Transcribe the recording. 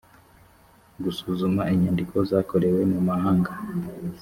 gusuzuma inyandiko zakorewe mu mahanga